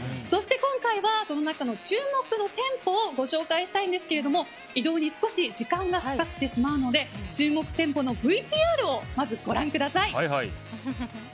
そして今回はその中の注目の店舗をご紹介したいんですけども移動に少し時間がかかってしまうので注目店舗のＶＴＲをまずご覧ください。